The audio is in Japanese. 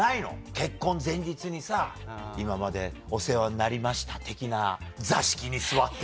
結婚前日にさ「今までお世話になりました」的な座敷に座ってみたいな。